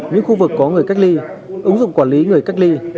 những khu vực có người cách ly ứng dụng quản lý người cách ly